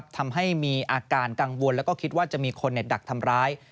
ทำให้มีอาการกังวลแล้วก็คิดว่าจะมีคนดักทำร้าย